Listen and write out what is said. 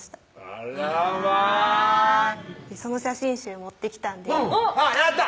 あらまぁその写真集持ってきたんでやった！